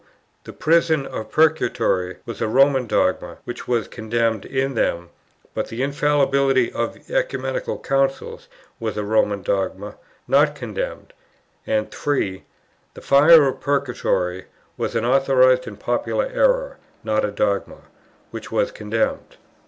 The prison of Purgatory was a Roman dogma, which was condemned in them; but the infallibility of Ecumenical Councils was a Roman dogma, not condemned; and 3. The fire of Purgatory was an authorized and popular error, not a dogma, which was condemned.